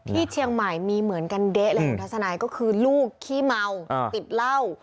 ที่เชียงใหม่มีเหมือนกันเด๊ะเลยคุณทัศนายก็คือลูกขี้เมาติดเหล้า